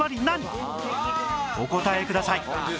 お答えください